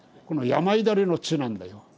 このやまいだれの「痴」なんだよ。